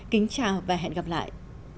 kính chào và hẹn gặp lại